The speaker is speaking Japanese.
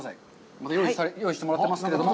また用意してもらってますけど。